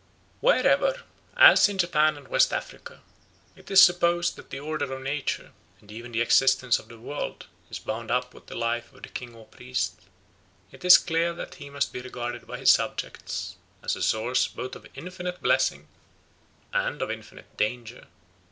Wherever, as in Japan and West Africa, it is supposed that the order of nature, and even the existence of the world, is bound up with the life of the king or priest, it is clear that he must be regarded by his subjects as a source both of infinite blessing and of infinite danger.